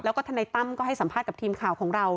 แล้วก็ทนายตั้มก็ให้สัมภาษณ์กับทีมข่าวของเรา